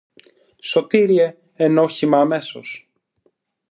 Σωτήριε, εν όχημα αμέσως!